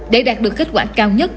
để đạt được kết quả cao nhất